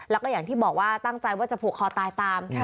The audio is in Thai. แล้วก็อย่างที่บอกว่าตั้งใจว่าจะผูกคอตายตาม